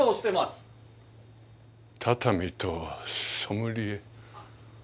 畳とソムリエ？